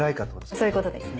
そういうことですね。